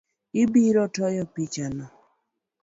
Ibirotoyo pichano